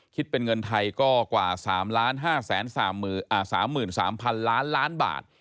คิดเป็นเงินไทยก็กว่า๓๕๓๓๐๐๐ล้านล้านบาท